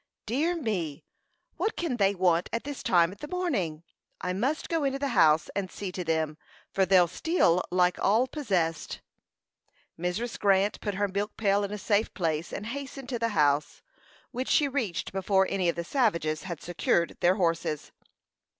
"Dear me! What can they want at this time in the morning? I must go into the house, and see to them, for they'll steal like all possessed." Mrs. Grant put her milk pail in a safe place, and hastened to the house, which she reached before any of the savages had secured their horses.